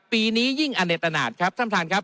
ปีนี้ยิ่งอเนตนาศครับท่านท่านครับ